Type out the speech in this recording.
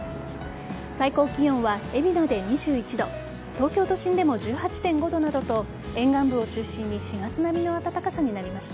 最高気温は海老名で２１度東京都心でも１８．５度などと沿岸部を中心に４月並みの暖かさになりました。